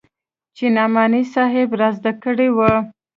چې نعماني صاحب رازده کړې وه.